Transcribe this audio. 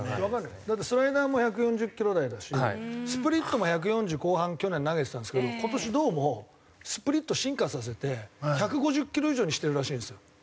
だってスライダーも１４０キロ台だしスプリットも１４０後半去年投げてたんですけど今年どうもスプリット進化させて１５０キロ以上にしてるらしいんですよ。